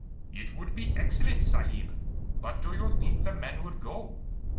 "It would be excellent, sahib; but do you think the men would go?"